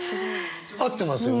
合ってますよね？